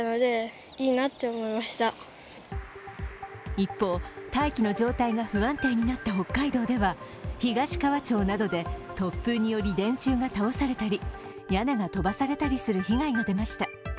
一方、大気の状態が不安定になった北海道では突風などで電柱が倒されたり屋根が飛ばされたりする被害が出ました。